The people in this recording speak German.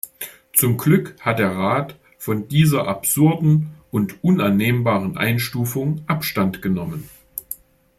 Zum Glück hat der Rat von dieser absurden und unannehmbaren Einstufung Abstand genommen.